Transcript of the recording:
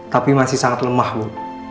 tapi masih sangat lemah bu